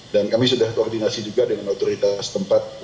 dan kami sudah koordinasi juga dengan otoritas tempat